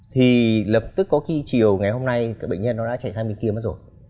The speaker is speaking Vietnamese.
thì lập tức có khi chiều ngày hôm nay cái bệnh nhân nó đã chạy sang bên kia mất rồi